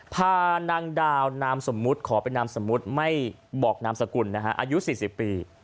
พานางดาวนามสมมุติขอเป็นนามสมมุติไม่บอกนามสกุลนะฮะอายุ๔๐ปี